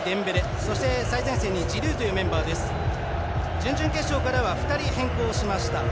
準々決勝からは２人変更しました。